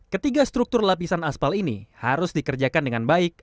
ketiga struktur lapisan aspal ini harus dikerjakan dengan baik